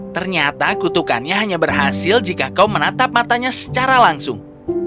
ternyata kutukannya hanya berhasil jika kau menatap matanya secara langsung